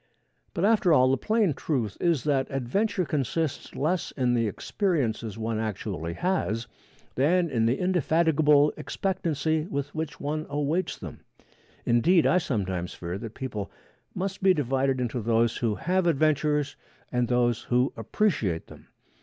But after all, the plain truth is that adventure consists less in the experiences one actually has than in the indefatigable expectancy with which one awaits them. Indeed, I sometimes fear that people must be divided into those who have adventures and those who appreciate them.